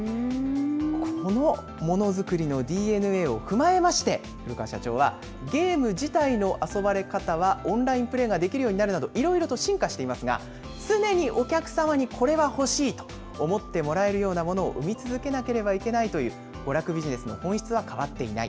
このものづくりのＤＮＡを踏まえて古川社長はゲーム自体の遊ばれ方はオンラインプレーができるようになるなどいろいろ進化していますが常にお客様にこれが欲しいと思ってもらえるようなものを生み続けなければならないという娯楽ビジネスの本質は変わっていない。